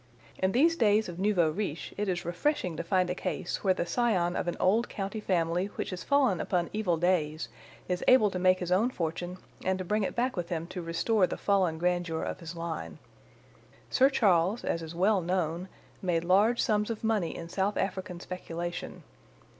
In these days of nouveaux riches it is refreshing to find a case where the scion of an old county family which has fallen upon evil days is able to make his own fortune and to bring it back with him to restore the fallen grandeur of his line. Sir Charles, as is well known, made large sums of money in South African speculation.